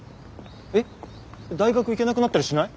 えっ大学行けなくなったりしない？